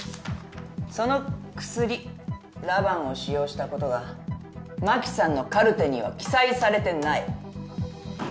その薬ｌａｖａｎを使用したことが真紀さんのカルテには記載されてない。